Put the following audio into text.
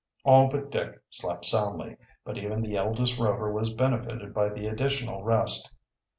All but Dick slept soundly, but even the eldest Rover was benefited by the additional rest.